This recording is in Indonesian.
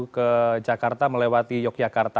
ke jakarta melewati yogyakarta